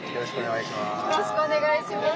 よろしくお願いします。